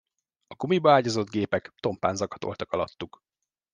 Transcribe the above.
A gumiba ágyazott gépek tompán zakatoltak alattuk.